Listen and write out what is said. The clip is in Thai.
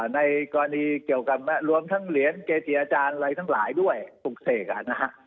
ในกรณีเกี่ยวกับรวมทั้งเหรียญเกจิอาจารย์อะไรทั้งหลายด้วยปลูกเสกนะฮะ